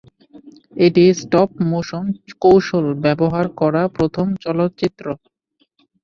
এটি stop motion কৌশল ব্যবহার করা প্রথম চলচ্চিত্র।